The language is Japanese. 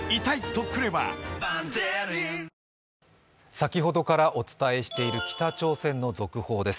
先ほどからお伝えしている北朝鮮の続報です。